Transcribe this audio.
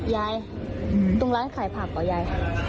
ยายตรงร้านขายผักเหรอยาย